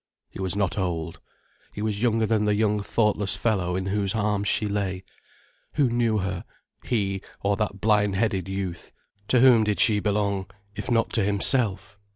He was not old. He was younger than that young thoughtless fellow in whose arms she lay. Who knew her—he or that blind headed youth? To whom did she belong, if not to himself?